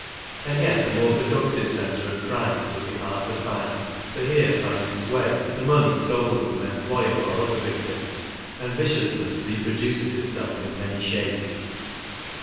And yet a more productive centre of crime it would be hard to find, for here finds its way the money stolen from employer or other victim, and viciousness re produces itself in many shapes.